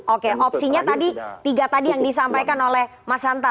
oke opsinya tadi tiga tadi yang disampaikan oleh mas hanta